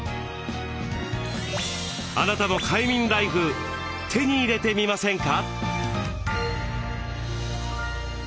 あなたも快眠ライフ手に入れてみませんか？